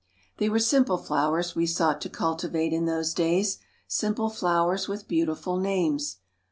They were simple flowers we sought to cultivate in those days, simple flowers with beautiful names.